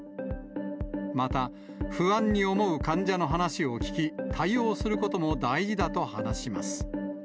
また、不安に思う患者の話を聞き、対応することも大事だと話します。